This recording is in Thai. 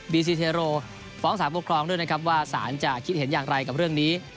ซีเทโรฟ้องสารปกครองด้วยนะครับว่าสารจะคิดเห็นอย่างไรกับเรื่องนี้